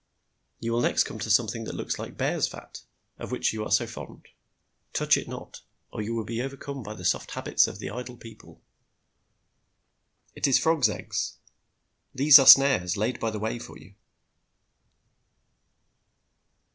You will nest come to something that looks like bear's fat, of which you are so fond. Touch it not, or you will be overcome by the soft habits of the idle people. It is frog's eggs. These are snares laid by the way for you."